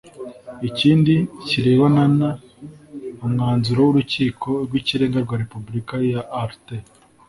ikindi kirebana n umwanzuro w Urukiko rw Ikirenga rwa Repubulika ya Altay